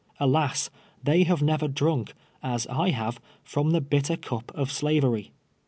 Alas ! they have never drank, as I have, from the bitter cup of slavery.